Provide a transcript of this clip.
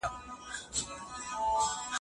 خرابات دې د زرینو ګونګرو ساز و